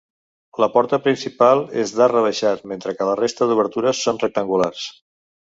La porta principal és d'arc rebaixat mentre que la resta d'obertures són rectangulars.